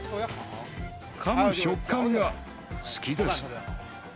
かむ食感が好きです。